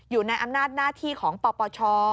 อยู่ในอำนาจหน้าที่ของปปช